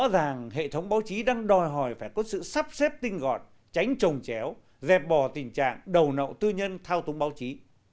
rõ ràng hệ thống báo chí đang đòi hỏi phải có sự sắp xếp tinh gọn tránh trồng chéo dẹp bò tình trạng đầu nậu tư nhân thao túng báo chí